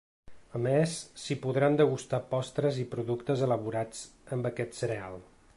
A més, s’hi podran degustar postres i productes elaborats amb aquest cereal.